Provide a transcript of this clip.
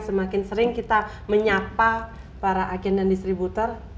semakin sering kita menyapa para agen dan distributor